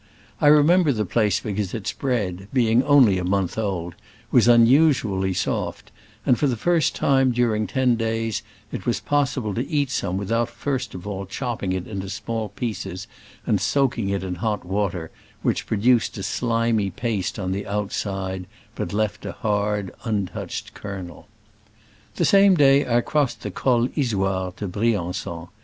I remember the place be cause its bread, being only a month old, was unusually soft, and for the first time during ten days it was possible to eat some without first of all chopping it into small pieces and soaking it in hot water, which produced a slimy paste on the out side, but left a hard, untouched kernel. The same day I crossed the Col Isoard to Brian9on.